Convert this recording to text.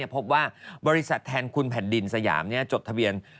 พบว่าบริษัทแทนคุณแผ่นดินสยามจดทะเบียน